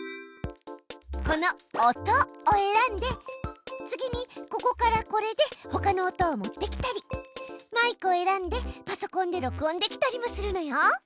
この「音」を選んで次にここからこれでほかの音を持ってきたりマイクを選んでパソコンで録音できたりもするのよ。